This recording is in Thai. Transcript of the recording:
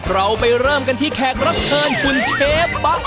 เราไปเริ่มกันที่แขกรับเชิญคุณเชฟปั๊ก